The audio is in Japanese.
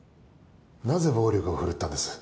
・なぜ暴力を振るったんです？